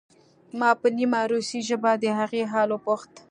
ما په نیمه روسۍ ژبه د هغې حال وپوښت